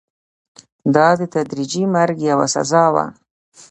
دا د تدریجي مرګ یوه سزا وه.